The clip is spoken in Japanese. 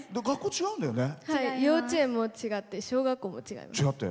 幼稚園も違って小学校も違って。